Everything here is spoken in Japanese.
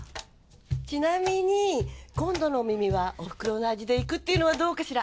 ちなみに今度の「お耳」はおふくろの味でいくっていうのはどうかしら？